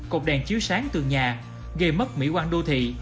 cột đèn chiếu sáng tường nhà gây mất mỹ quan đô thị